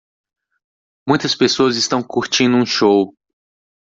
Muitas pessoas estão curtindo um show.